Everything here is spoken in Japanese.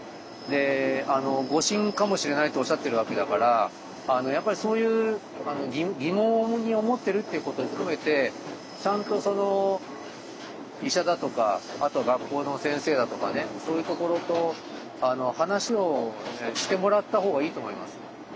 であの「誤診かもしれない」とおっしゃってるわけだからやっぱりそういう疑問に思ってるっていうことを含めてちゃんとその医者だとかあと学校の先生だとかねそういうところと話をねしてもらったほうがいいと思います。